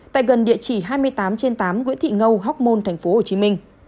tại gần địa chỉ hai mươi tám trên tám nguyễn thị ngâu hóc môn tp hcm